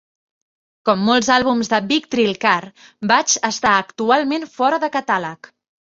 Com molts àlbums de Big Drill Car, Batch està actualment fora de catàleg.